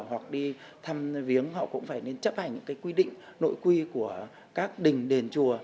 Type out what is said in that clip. hoặc đi thăm viếng họ cũng phải nên chấp hành những cái quy định nội quy của các đình đền chùa